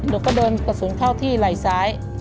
หนูก็โดนกระสุนเข้าที่ไหล่ซ้าย